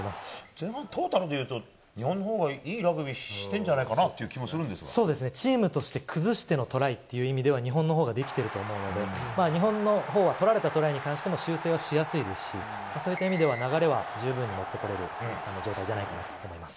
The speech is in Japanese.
前半、トータルでいうと日本のほうがいいラグビーしてんじゃないかなっそうですね、チームとして崩してのトライっていう意味では、日本のほうができてると思うので、日本のほうは、取られたトライに関しても、修正はしやすいですし、そういった意味では、流れは十分に持ってこれる状態じゃないかと思います。